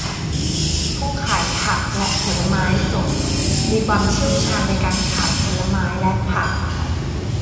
ผู้ขายผักและผลไม้สดมีความเชี่ยวชาญในการขายผลไม้และผัก